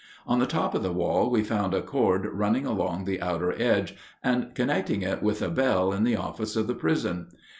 On the top of the wall we found a cord running along the outer edge and connecting with a bell in the office of the prison.